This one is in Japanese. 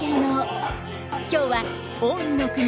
今日は近江の国